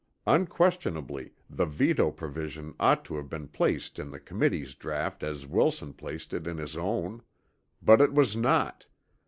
Unquestionably the veto provision ought to have been placed in the Committee's draught as Wilson placed it in his own. But it was not.